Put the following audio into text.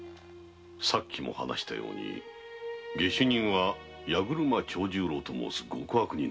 さっきも話したように下手人は八車長十郎と申す極悪人。